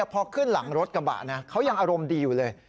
พอขึ้นหลังรถกระบะนะเขายังอารมณ์ดีอยู่เลย